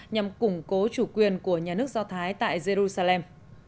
nhằm củng cố chủ quyền của nhà nước do thái tại jerusalem